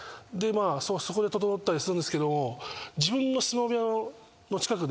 そこで整ったりするんですけど。